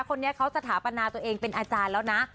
คนนี้เขาสถาปนาตัวเองเป็นอาจารย์แล้วนะ